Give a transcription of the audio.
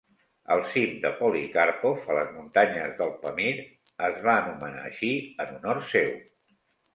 El cim de Polikarpov, a les muntanyes del Pamir, es va anomenar així en honor seu.